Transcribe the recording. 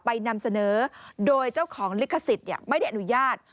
นำเสนอโดยเจ้าของลิขสิทธิ์ไม่ได้อนุญาต